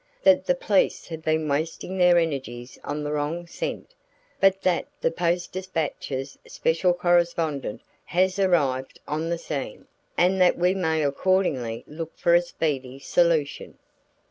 That the police have been wasting their energies on the wrong scent, but that the Post Dispatch's special correspondent has arrived on the scene, and that we may accordingly look for a speedy solution."